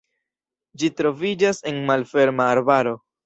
Ĝi troviĝas en malferma arbaro.